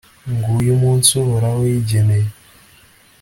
nguyu umunsi uhoraho yigeneye